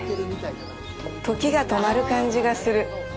時が止まる感じがする。